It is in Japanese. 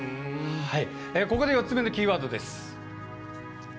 ここで４つ目のキーワードです。